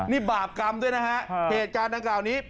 นี่บาปกรรมด้วยนะฮะเหตุการณ์ดังกล่าวนี้